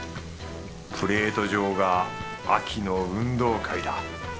プレート上が秋の運動会だ。